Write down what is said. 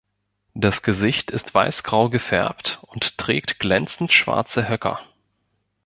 Das Gesicht ist weißgrau gefärbt und trägt glänzend schwarze Höcker.